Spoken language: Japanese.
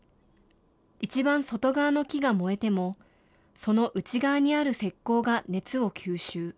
一番外側の木が燃えても、その内側にある石こうが熱を吸収。